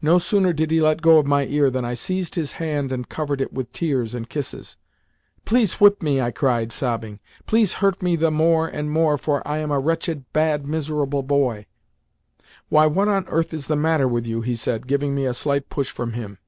No sooner did he let go of my ear than I seized his hand and covered it with tears and kisses. "Please whip me!" I cried, sobbing. "Please hurt me the more and more, for I am a wretched, bad, miserable boy!" "Why, what on earth is the matter with you?" he said, giving me a slight push from him.